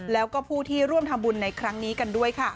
แล้วก็ผู้ที่ร่วมทำบุญในครั้งนี้กันด้วยค่ะ